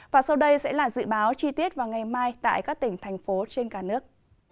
và sau đây sẽ là dự báo chi tiết vào ngày mai tại các tỉnh thành phố trên cả nước